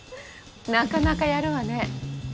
なかなかやるわね。